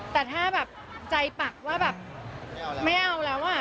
แต่ถ้าแบบใจปักว่าแบบไม่เอาแล้วอ่ะ